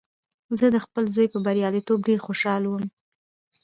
زه د خپل زوی په بریالیتوب ډېر خوشحاله وم